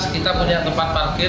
kita punya tempat parkir